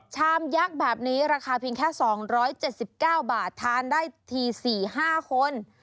ชามยักษ์แบบนี้ราคาเพียงแค่๒๗๙บาททานได้ที๔๕คน